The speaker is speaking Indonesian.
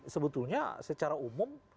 sebetulnya secara umum